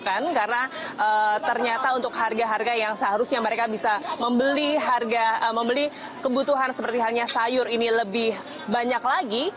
karena ternyata untuk harga harga yang seharusnya mereka bisa membeli kebutuhan seperti sayur ini lebih banyak lagi